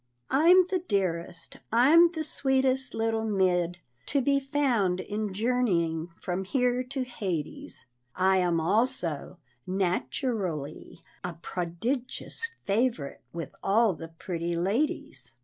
I'm the dearest, I'm the sweetest little mid To be found in journeying from here to Hades, I am also, nat u rally, _a prodid _ Gious favorite with all the pretty ladies.